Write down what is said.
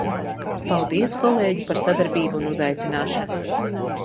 Paldies kolēģi par sadarbību un uzaicināšanu!